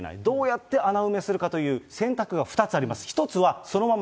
どうやって穴埋めするかという選択が２つあります。